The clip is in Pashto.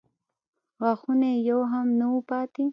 غاښونه یې يو هم نه و پاتې.